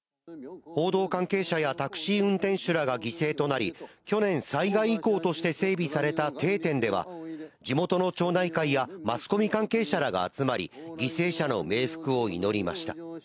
報道関係者やタクシー運転手らが犠牲となり、去年、災害遺構として整備された定点では、地元の町内会やマスコミ関係者らが集まり、犠牲者の冥福を祈りました。